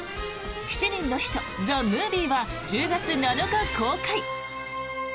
「七人の秘書ＴＨＥＭＯＶＩＥ」は１０月７日公開。